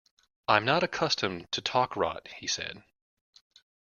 'I am not accustomed to talk rot,' he said.